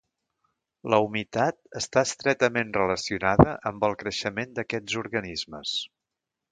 La humitat està estretament relacionada amb el creixement d'aquests organismes.